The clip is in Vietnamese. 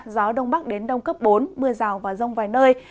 gió đông bắc đến đông cấp bốn mưa rào và rông vài nơi